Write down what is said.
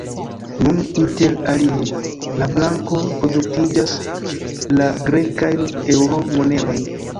Nun, inter alie, la banko produktiĝas la grekajn eŭro-monerojn.